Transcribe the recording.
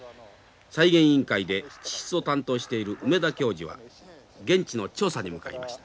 再現委員会で地質を担当している梅田教授は現地の調査に向かいました。